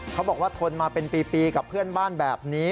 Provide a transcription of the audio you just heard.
เขาบอกว่าทนมาเป็นปีกับเพื่อนบ้านแบบนี้